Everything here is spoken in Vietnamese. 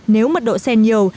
nếu mật độ xe nhiều